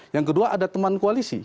yang kedua ada teman koalisi